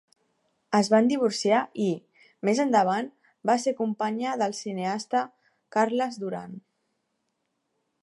Es van divorciar i, més endavant, va ser companya del cineasta Carles Duran.